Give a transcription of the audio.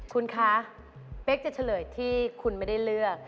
คุณคะเป๊กจะเฉลยที่คุณไม่ได้เลือก